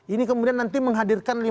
ini kemudian nanti menghadirkan